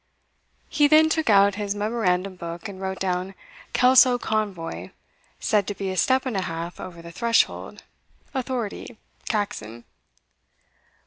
He then took out his memorandum book and wrote down "Kelso convoy said to be a step and a half over the threshold. Authority Caxon.